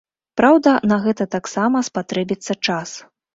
Праўда, на гэта таксама спатрэбіцца час.